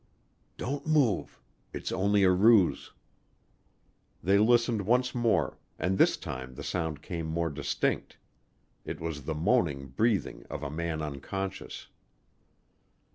"Don't move. It's only a ruse." They listened once more, and this time the sound came more distinct; it was the moaning breathing of a man unconscious.